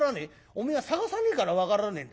おめえは探さねえから分からねえんだ。